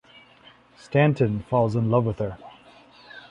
Stanton falls in love with her.